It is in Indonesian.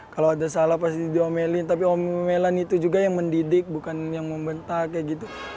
kalau ada salah pasti diomelin tapi omelan itu juga yang mendidik bukan yang membentak kayak gitu